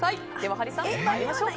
ハリーさん、参りましょうか。